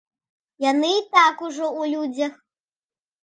Яны і так ужо ў людзях.